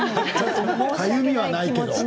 かゆみはないけど。